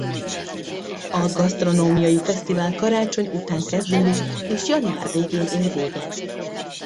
A gasztronómiai fesztivál Karácsony után kezdődik és január végén ér véget.